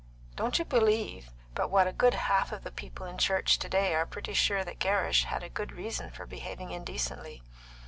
Don't you believe but what a good half of the people in church to day are pretty sure that Gerrish had a good reason for behaving indecently.